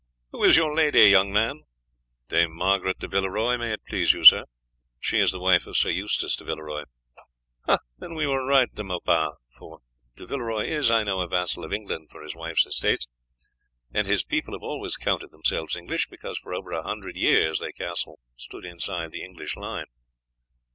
"Who is your lady, young man?" "Dame Margaret de Villeroy, may it please you, sir. She is the wife of Sir Eustace de Villeroy." "Then we were right, De Maupas, for De Villeroy is, I know, a vassal of England for his wife's estates, and his people have always counted themselves English, because for over a hundred years their castle stood inside the English line."